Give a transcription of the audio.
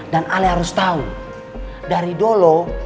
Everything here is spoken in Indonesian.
dan ale harus tahu dari dulu